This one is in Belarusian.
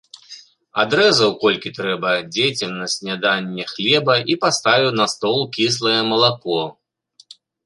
Адрэзаў, колькі трэба, дзецям на снеданне хлеба і паставіў на стол кіслае малако.